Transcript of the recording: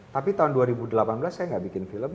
tapi tahun dua ribu delapan belas saya gak bikin film